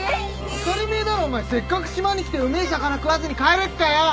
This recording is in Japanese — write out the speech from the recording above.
当たりめえだろお前せっかく島に来てうめえ魚食わずに帰れっかよ。